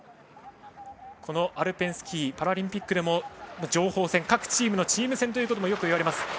アルペンスキーはパラリンピックでも情報戦、各チームのチーム戦だとよく言われます。